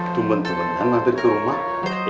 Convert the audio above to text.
tumentuman nampir ke rumah